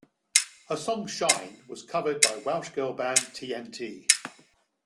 Her song 'Shine' was covered by Welsh girl band TnT.